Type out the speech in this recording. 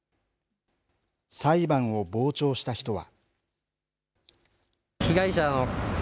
裁判を傍聴した人は。